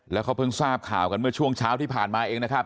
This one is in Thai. แล้วเขาเพิ่งทราบข่าวกันเมื่อช่วงเช้าที่ผ่านมาเองนะครับ